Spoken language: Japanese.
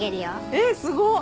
えっすごっ！